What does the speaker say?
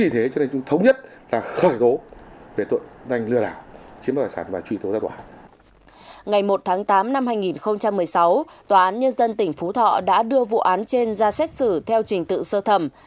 từ năm hai nghìn tám hai nghìn một mươi sáu tòa án nhân dân tỉnh phú thọ đã đưa vụ án trên ra xét xử theo trình tự sơ thẩm